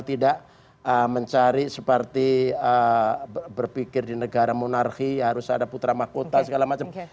tidak mencari seperti berpikir di negara monarki harus ada putra mahkota segala macam